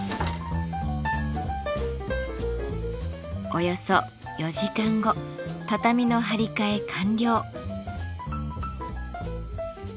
およそ４時間後畳の張り替え完了。